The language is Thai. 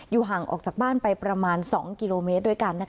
ห่างออกจากบ้านไปประมาณ๒กิโลเมตรด้วยกัน